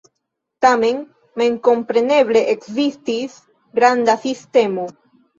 Tamen memkompreneble ekzistis granda sistemo.